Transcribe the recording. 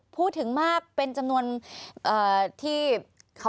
ปูปูอะไรดีคะ